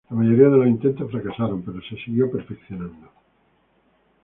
La mayoría de los intentos fracasaron, pero se siguió perfeccionando.